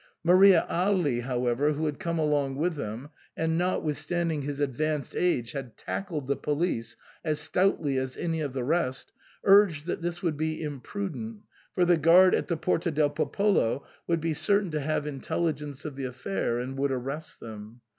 Maria Agli, however, who had come along with him, and, notwithstanding his advanced age, had tackled the police as stoutly as any of the rest, urged that this would be imprudent, for the guard at the Porta del Popolo would be certain to have intelligence of the affair and would arrest them.